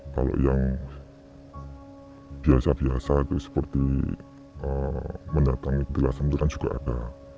kalau yang biasa biasa seperti mendatangi kejelasan tuhan juga ada